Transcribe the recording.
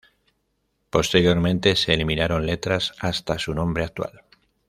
Posteriormente se eliminaron letras hasta su nombre actual.